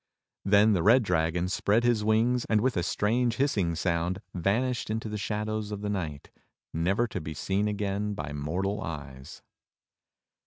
Then the red dragon spread his wings, and with a strange hissing sound vanished into the shadow^s of the night, never to be seen again by mortal eyes.